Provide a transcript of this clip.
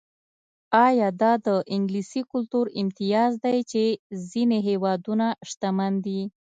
ایا دا د انګلیسي کلتور امتیاز دی چې ځینې هېوادونه شتمن دي.